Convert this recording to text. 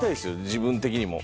自分的にも。